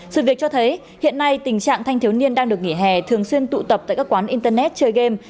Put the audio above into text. sự việc cho thấy hiện nay tình trạng thanh thiếu niên đang được nghỉ hè thường xuyên tụ tập tại các quán internet chơi game